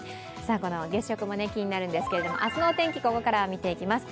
月食も気になるんですけど明日のお天気をここからは見ていきます。